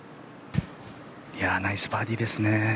ナイスバーディーですね。